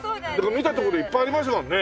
見たところいっぱいありますもんね。